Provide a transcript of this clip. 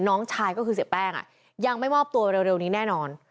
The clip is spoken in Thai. น้องชายก็คือเสียแป้งยังไม่มอบตัวเร็วนี้แน่นอน